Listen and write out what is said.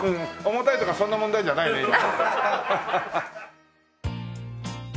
重たいとかそんな問題じゃないの今。